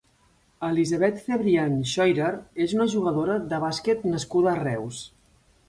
Elisabeth Cebrián Scheurer és una jugadora de bàsquet nascuda a Reus.